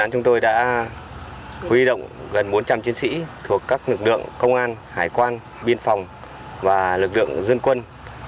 chúng tôi đã huy động gần bốn trăm linh chiến sĩ thuộc các lực lượng công an hải quan biên phòng và lực lượng dân quân